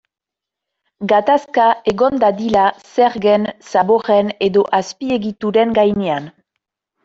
Gatazka egon dadila zergen, zaborren edo azpiegituren gainean.